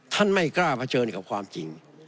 ไม่กล้าเผชิญกับความจริง